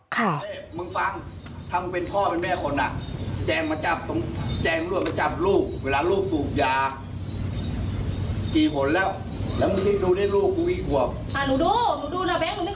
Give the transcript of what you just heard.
แจ้งมาจับเพื่ออะไร